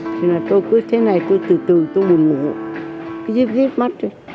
tôi cứ thế này tôi từ từ tôi bùm bụng dếp dếp mắt